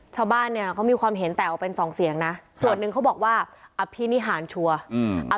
ชาวบ้านเนี่ยเขามีความเห็นแตกออกเป็นสองเสียงนะส่วนหนึ่งเขาบอกว่าอภินิหารชัวร์อืม